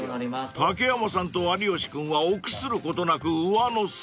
［竹山さんと有吉君は臆することなく上乗せ］